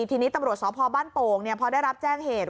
ทีนี้ตำรวจสพบ้านโป่งพอได้รับแจ้งเหตุ